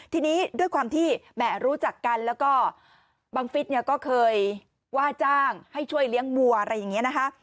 ทีนี้ด้วยความที่แหม่รู้จักกันแล้วก็บังฟิศเนี่ยก็เคยว่าจ้างให้ช่วยเลี้ยงวัวอะไรอย่างนี้นะคะ